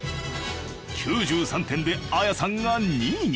９３点でＡＹＡさんが２位に。